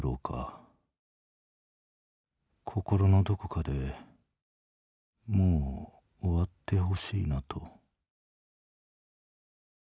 心のどこかでもう終わってほしいなと」。